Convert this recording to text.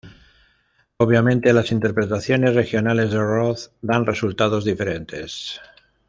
Obviamente, las interpretaciones regionales de "rod" dan resultados diferentes.